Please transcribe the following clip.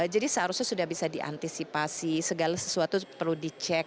jadi seharusnya sudah bisa diantisipasi segala sesuatu perlu dicek